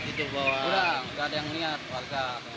tidak ada yang niat warga